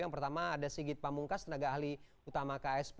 yang pertama ada sigit pamungkas tenaga ahli utama ksp